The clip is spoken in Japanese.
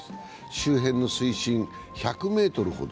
周辺の水深１００ｍほど。